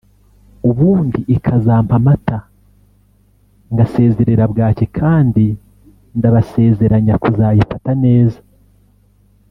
ubundi ikazampa amata ngasezerera bwaki kandi ndabaasezeranya kuzayifata neza